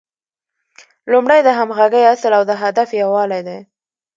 لومړی د همغږۍ اصل او د هدف یووالی دی.